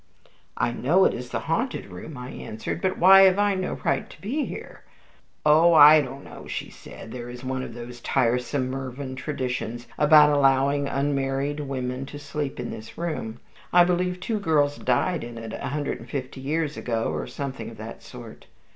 "I know it is the haunted room," I answered; "but why have I no right to be here?" "Oh, I don't know," she said. "There is one of those tiresome Mervyn traditions against allowing unmarried girls to sleep in this room. I believe two girls died in it a hundred and fifty years ago, or something of that sort."